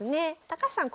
高橋さん